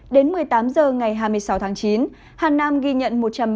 đến một mươi tám h ngày hai mươi sáu tháng chín hà nam ghi nhận